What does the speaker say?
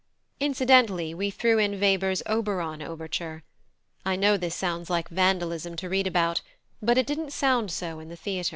Incidentally we threw in Weber's Oberon overture. I know this sounds like vandalism to read about, but it didn't sound so in the theatre.